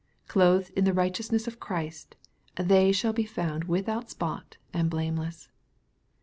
Clothed in the righteousness of Christ, they shall be found without spot and blameless.